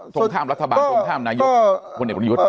ส่งข้ามรัฐบาลส่งข้ามนายุทธ์คนในปริยุทธิ์